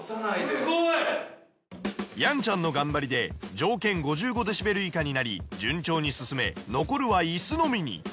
すごい！やんちゃんの頑張りで条件５５ｄＢ以下になり順調に進め残るは椅子のみに。